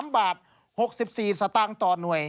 ๓บาท๖๔สตางค์ต่อหน่วย